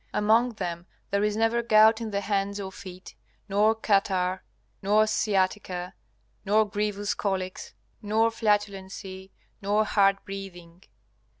Among them there is never gout in the hands or feet, nor catarrh, nor sciatica, nor grievous colics, nor flatulency, nor hard breathing.